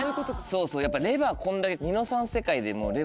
そうそうやっぱレバーこんだけ。